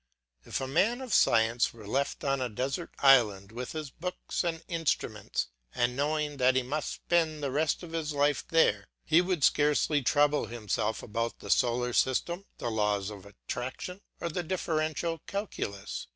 If a man of science were left on a desert island with his books and instruments and knowing that he must spend the rest of his life there, he would scarcely trouble himself about the solar system, the laws of attraction, or the differential calculus.